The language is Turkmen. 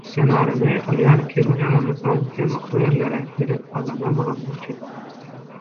Ssenarini Ylýas ikimiz ýazamyzsoň, hem o ýerlere belet adamlar bolanymyz üçin